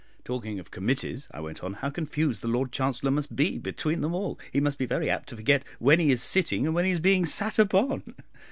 "Talking of committees," I went on, "how confused the Lord Chancellor must be between them all. He must be very apt to forget when he is 'sitting' and when he is being 'sat upon.'